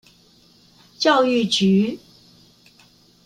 教育局